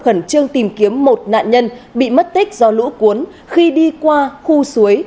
khẩn trương tìm kiếm một nạn nhân bị mất tích do lũ cuốn khi đi qua khu suối